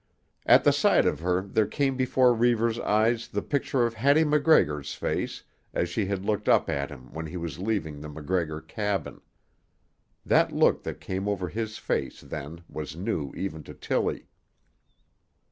At the sight of her there came before Reivers' eyes the picture of Hattie MacGregor's face as she had looked up at him when he was leaving the MacGregor cabin. The look that came over his face then was new even to Tillie.